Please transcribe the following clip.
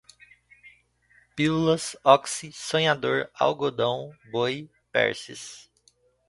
pílulas, oxy, sonhador, algodão, boi, perces